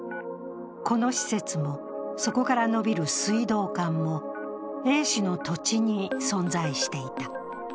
この施設も、そこから延びる水道管もＡ氏の土地に存在していた。